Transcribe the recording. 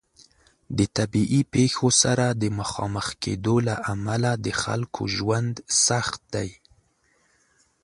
د طبیعي پیښو سره د مخامخ کیدو له امله د خلکو ژوند سخت دی.